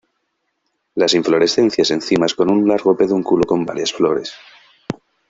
Las inflorescencias en cimas con un largo pedúnculo con varias flores.